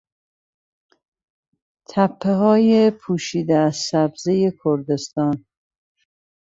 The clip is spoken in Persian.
تپههای پوشیده از سبزهی کردستان